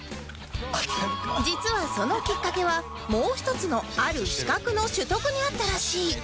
実はそのきっかけはもう一つのある資格の取得にあったらしい